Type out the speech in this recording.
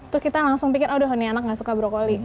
terus kita langsung pikir oh ini anak gak suka brokoli